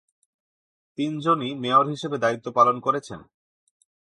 তিনজনই মেয়র হিসেবে দায়িত্ব পালন করেছেন।